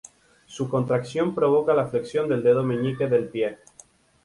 Su contracción provoca la flexión del dedo meñique del pie.